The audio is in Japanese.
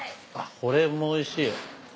これもおいしい。